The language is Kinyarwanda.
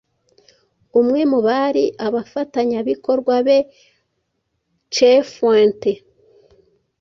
Umwe mu bari abafatanyabikorwa be Cifuentes